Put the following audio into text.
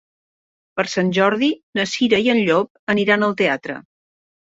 Per Sant Jordi na Cira i en Llop aniran al teatre.